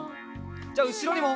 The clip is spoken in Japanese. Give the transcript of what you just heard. じゃあうしろにも。